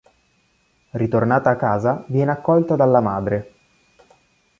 Ritornata a casa, viene accolta dalla madre.